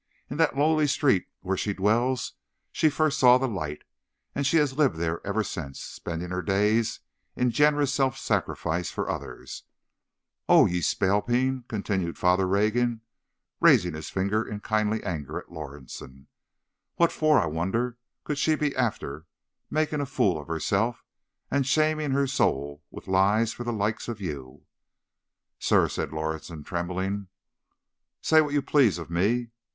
In that lowly street where she dwells she first saw the light, and she has lived there ever since, spending her days in generous self sacrifice for others. Och, ye spalpeen!" continued Father Rogan, raising his finger in kindly anger at Lorison. "What for, I wonder, could she be after making a fool of hersilf, and shamin' her swate soul with lies, for the like of you!" "Sir," said Lorison, trembling, "say what you please of me.